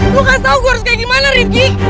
lu kasi tau gua harus gini gimana riky